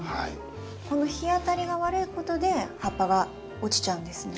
この日当たりが悪いことで葉っぱが落ちちゃうんですね？